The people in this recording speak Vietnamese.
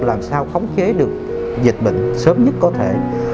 làm sao khống chế được dịch bệnh sớm nhất có thể